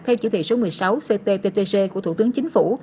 theo chỉ thị số một mươi sáu ctttg của thủ tướng chính phủ